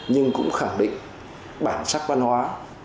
nhưng cũng khẳng định bản sắc văn hóa